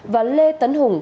và lê tấn hùng